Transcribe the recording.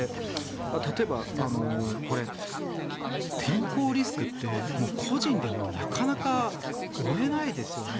例えば、天候リスクって個人ではなかなか負えないですよね。